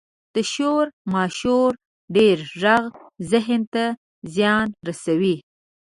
• د شور ماشور ډېر ږغ ذهن ته زیان رسوي.